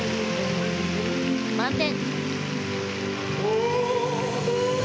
満点！